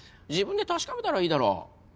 自分で確かめたらいいだろ。